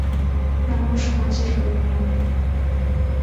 ব্রাহ্মসমাজের লোক নন!